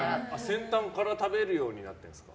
先端から食べるようになってるんですか？